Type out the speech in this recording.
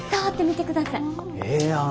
ええやん。